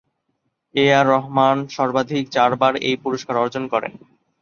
এ আর রহমান সর্বাধিক চারবার এই পুরস্কার অর্জন করেন।